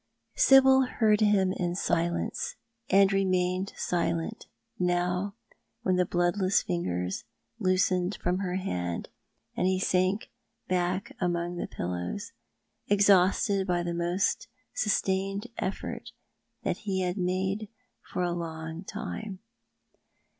Sibyl heard him in silence, and remained silent now when the bloodless fingers loosened from her hand, and he sank back among the pillows, exhausted by the most sustained effort that ho had made for a long time.